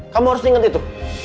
kamu harus ingat itu